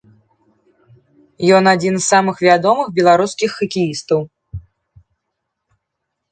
Ён адзін з самых вядомых беларускіх хакеістаў.